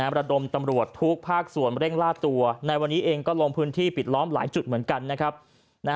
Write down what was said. ระดมตำรวจทุกภาคส่วนเร่งล่าตัวในวันนี้เองก็ลงพื้นที่ปิดล้อมหลายจุดเหมือนกันนะครับ